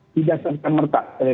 tidak sampai merta